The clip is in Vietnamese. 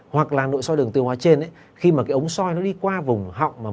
hoặc là nội soi đường tiêu hóa trên khi mà ống soi đi qua vùng họng